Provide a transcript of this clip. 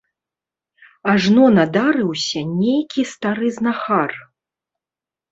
Ажно надарыўся нейкі стары знахар.